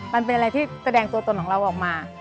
มันเป็นอะไรที่แสดงตัวตนของเราออกมา